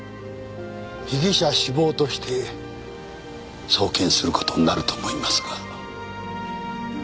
被疑者死亡として送検することになると思いますが。